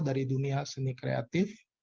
dari dunia seni kreatif